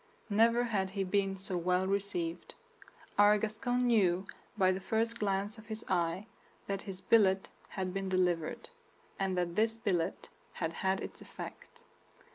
Never had he been so well received. Our Gascon knew, by the first glance of his eye, that his billet had been delivered, and that this billet had had its effect.